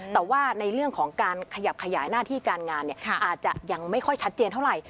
แต่ว่าในเรื่องของการขยับขยายหน้าที่การงานอาจจะยังไม่ค่อยชัดเจนเท่าไหร่